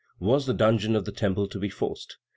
Was the dungeon of the Temple to be forced?